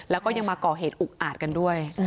แล้วก็ยังมาก่อเหตุอุกอาจกันด้วย